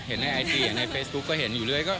เห็นในไอจีอยู่เรื่อยในเฟสบุ๊คก็เห็นอยู่เรื่อย